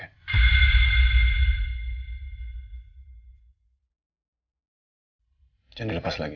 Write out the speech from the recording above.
jangan dilepas lagi